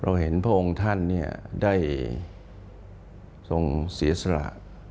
เห็นพระองค์ท่านได้ทรงเสียสละ